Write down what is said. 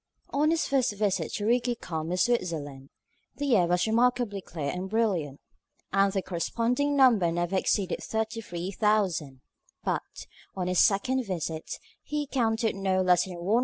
On his first visit to the Rigi Kulm, in Switzerland, the air was remarkably clear and brilliant, and the corresponding number never exceeded 33,000; but, on his second visit, he counted no less than 166,000.